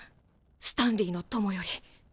スタンリーの友より」。